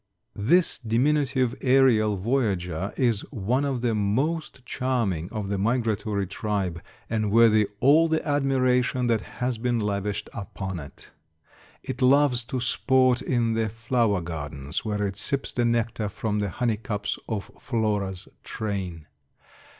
This diminutive aerial voyager is one of the most charming of the migratory tribe, and worthy all the admiration that has been lavished upon it. It loves to sport in the flower gardens, where it sips the nectar from the honeycups of Flora's train.